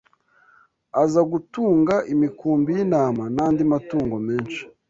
aza gutunga imikumbi y’intama n’andi matungo menshi